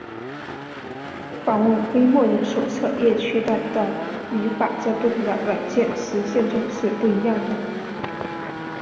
访问非默认手册页区段的语法在不同的软件实现中是不一样的。